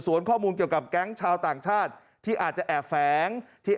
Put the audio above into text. ส่วนข้อมูลเกี่ยวกับแก๊งชาวต่างชาติที่อาจจะแอบแฝงที่